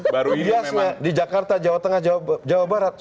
biasanya di jakarta jawa tengah jawa perlindungan